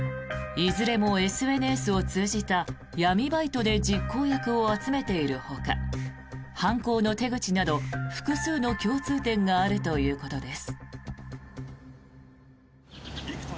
いずれもＳＮＳを通じた闇バイトで実行役を集めているほか犯行の手口など、複数の共通点があるということです。